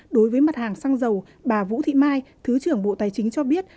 đối với mặt hàng xăng dầu bà vũ thị mai thứ trưởng bộ tài chính cho biết